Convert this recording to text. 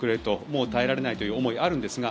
もう耐えられないという思いがあるんですが